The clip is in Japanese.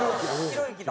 ひろゆきだ。